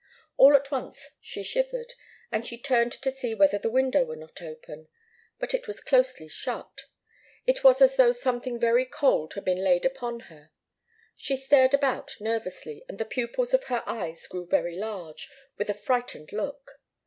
All at once she shivered, and she turned to see whether the window were not open. But it was closely shut. It was as though something very cold had been laid upon her. She stared about, nervously, and the pupils of her eyes grew very large, with a frightened look.